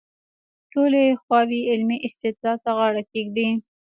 ټولې خواوې علمي استدلال ته غاړه کېږدي.